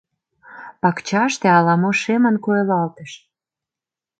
Пакчаште ала-мо шемын койылалтыш.